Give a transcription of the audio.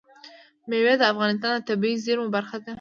مېوې د افغانستان د طبیعي زیرمو برخه ده.